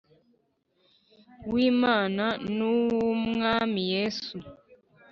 W imana n uw umwami yesu